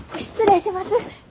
失礼します。